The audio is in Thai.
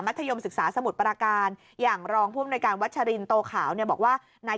มัธยมศึกษาสมุดประการอย่างรองภูมิบริการวัชรินโตขาวเนี่ยบอกว่านาย